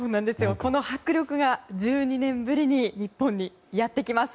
この迫力が１２年ぶりに日本にやってきます。